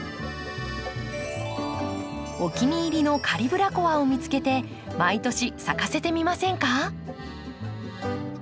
お気に入りのカリブラコアを見つけて毎年咲かせてみませんか？